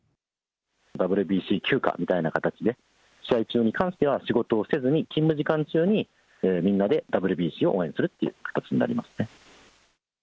ＷＢＣ休暇みたいな形で、試合中に関しては、仕事をせずに、勤務時間中にみんなでＷＢＣを応援するっていう形になりますね。